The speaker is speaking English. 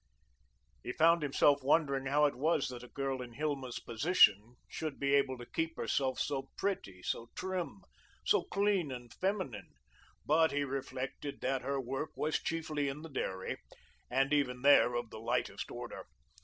He found himself wondering how it was that a girl in Hilma's position should be able to keep herself so pretty, so trim, so clean and feminine, but he reflected that her work was chiefly in the dairy, and even there of the lightest order.